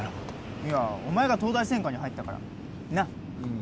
いやお前が東大専科に入ったからなっうん